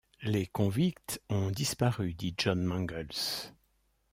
Les convicts ont disparu, dit John Mangles.